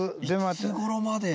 いつごろまで？